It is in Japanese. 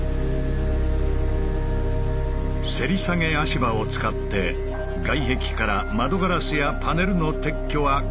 せり下げ足場を使って外壁から窓ガラスやパネルの撤去は完了した。